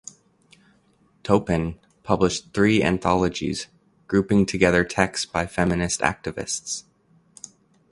Toupin published three anthologies grouping together texts by feminist activists.